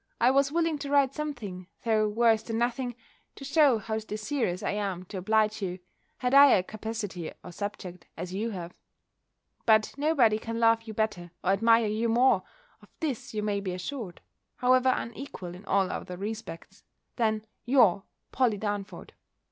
I was willing to write something, though worse than nothing, to shew how desirous I am to oblige you, had I a capacity or subject, as you have. But nobody can love you better, or admire you more, of this you may be assured (however unequal in all other respects), than your POLLY DARNFORD.